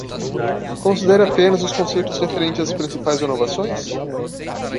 Considere apenas os conceitos referentes às principais inovações?